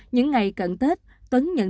những ngày cận tết tuấn nhận